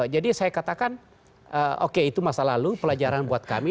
jadi saya katakan oke itu masa lalu pelajaran buat kami